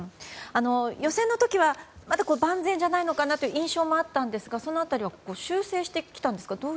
予選の時は万全じゃないのかなという印象もあったんですがその辺りは修正してきたんですか？